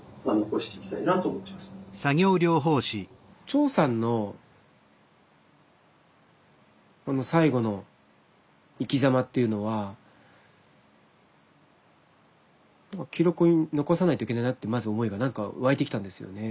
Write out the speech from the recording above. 長さんのこの最期の生きざまっていうのは記録に残さないといけないなってまず思いが何か湧いてきたんですよね。